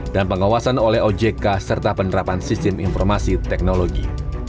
dan pengawasan oleh ojk serta penerapan sistem informasi teknologi